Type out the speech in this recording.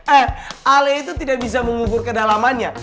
eh ale itu tidak bisa mengubur kedalamannya